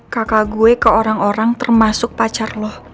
kaka gue ke orang orang termasuk pacar lo